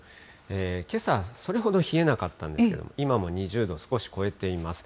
けさ、それほど冷えなかったんですけれども、今も２０度を少し超えています。